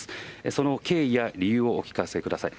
その経緯や理由をお聞かせください。